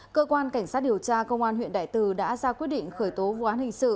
cơ quan cảnh sát điều tra công an huyện đại từ đã ra quyết định khởi tố vụ án hình sự